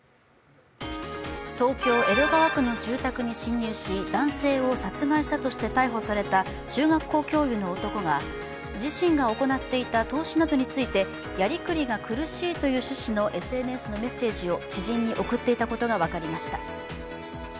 東京・江戸川区の住宅に侵入し男性を殺害したとして逮捕された中学校教諭の男が自身が行っていた投資などについてやりくりが苦しいという趣旨のＳＮＳのメッセージを知人に送っていたことが分かりました。